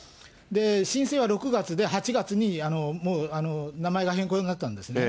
申請は６月で、８月にもう名前が変更になったんですね。